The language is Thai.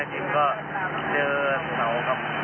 อันนี้มาแล้ว